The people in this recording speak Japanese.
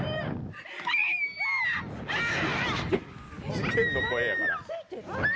事件の声やから。